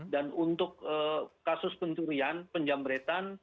dan untuk kasus pencurian penjamretan